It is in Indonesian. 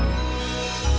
mungkin atas kesalahan karibu